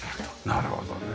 なるほどね。